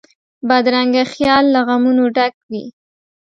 بدرنګه خیال له غمونو ډک وي